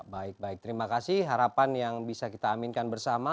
baik baik terima kasih harapan yang bisa kita aminkan bersama